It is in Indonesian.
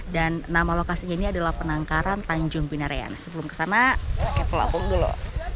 dan nama lokasinya ini adalah penangkaran tanjung binerian sebelum kesana pakai pelapung dulu